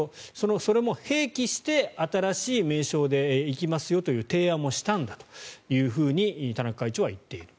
それも併記して新しい名称でいきますよという提案もしたんだというふうに田中会長は言っている。